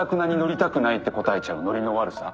「乗りたくない」って答えちゃうノリの悪さ。